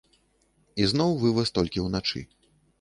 Ізноў, вываз толькі ўначы.